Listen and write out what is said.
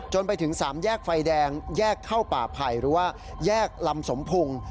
ไปถึงสามแยกไฟแดงแยกเข้าป่าไผ่หรือว่าแยกลำสมพุง